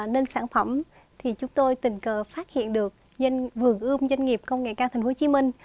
nên sản phẩm thì chúng tôi tình cờ phát hiện được vườn ươm doanh nghiệp công nghệ cao thành phố hồ chí minh